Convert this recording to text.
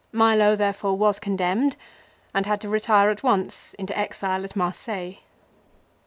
Milo there fore was condemned and had to retire at once into exile at Marseilles.